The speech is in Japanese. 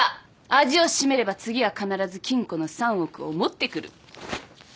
味を占めれば次は必ず金庫の３億を持ってくる。